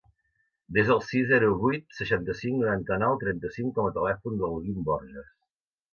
Desa el sis, zero, vuit, seixanta-cinc, noranta-nou, trenta-cinc com a telèfon del Guim Borges.